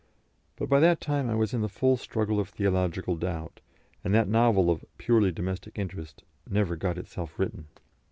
But by that time I was in the full struggle of theological doubt, and that novel of "purely domestic interest" never got itself written.